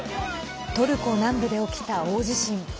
トルコ南部で起きた大地震。